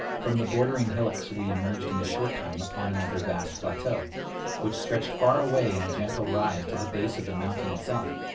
From the bordering hillocks we emerged in a short time upon another vast plateau, which stretched far away in a gentle rise to the base of the mountain itself.